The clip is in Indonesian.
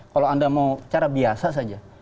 kalau anda mau cara biasa saja